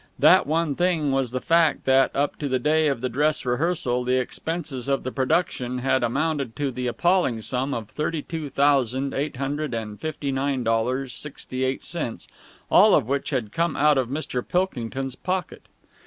That one thing was the fact that, up to the day of the dress rehearsal, the expenses of the production had amounted to the appalling sum of thirty two thousand eight hundred and fifty nine dollars, sixty eight cents, all of which had to come out of Mr. Pilkington's pocket.